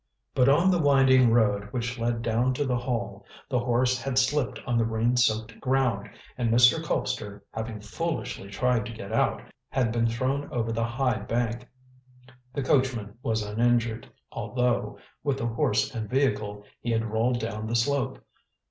But on the winding road which led down to the Hall, the horse had slipped on the rain soaked ground, and Mr. Colpster, having foolishly tried to get out, had been thrown over the high bank. The coachman was uninjured, although, with the horse and vehicle, he had rolled down the slope.